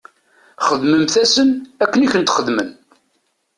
Xdmemt-asen akken i kent-xedmen.